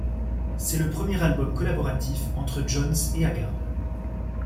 C'est le premier album collaboratif entre Jones et Haggard.